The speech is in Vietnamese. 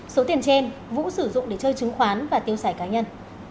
số tiền trên vũ sử dụng để chơi chứng khoán và tiêu sải cá nhân